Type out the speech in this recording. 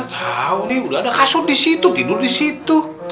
tau nih udah ada kasut disitu tidur disitu